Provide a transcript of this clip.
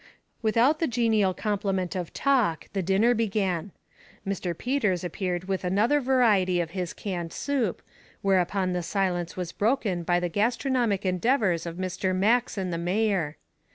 Without the genial complement of talk the dinner began. Mr. Peters appeared with another variety of his canned soup, whereupon the silence was broken by the gastronomic endeavors of Mr. Max and the mayor.